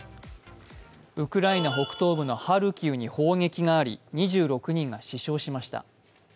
ウクライナ北東部のハルキウに砲撃があり、２６人が死傷しました。